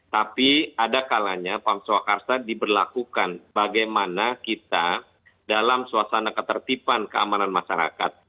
tapi ada kalanya pam swakarsa diberlakukan bagaimana kita dalam suasana ketertiban keamanan masyarakat